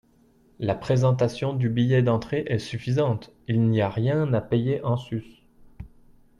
la présentation du billet d'entrée est suffisante, il n'y a rien à payer en sus.